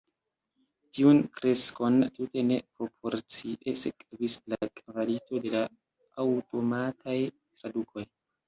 Tiun kreskon tute ne proporcie sekvis la kvalito de la aŭtomataj tradukoj.